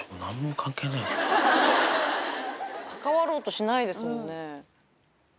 関わろうとしないですもんね。